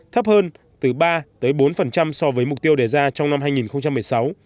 thấp hơn từ ba bốn so với mục tiêu đề ra trong năm hai nghìn một mươi sáu